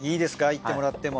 いってもらっても。